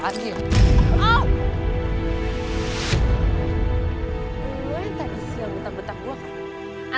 lu ente isi yang betak betak gue kan